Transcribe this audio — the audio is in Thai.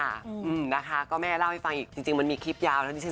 ค่ะอืมนะคะก็แม่เล่าให้ฟังอีกจริงมันมีคลิปยาวแล้ว